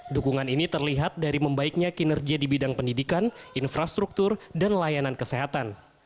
dukungan ini terlihat dari membaiknya kinerja di bidang pendidikan infrastruktur dan layanan kesehatan